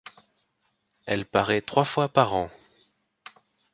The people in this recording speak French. Elle parait trois fois par an.